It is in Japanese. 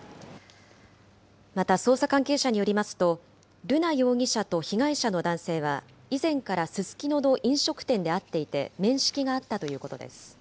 また捜査関係者によりますと、瑠奈容疑者と被害者の男性は、以前からススキノの飲食店で会っていて、面識があったということです。